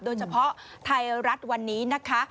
โดยเฉพาะไทยรัฐวันนี้นะคะ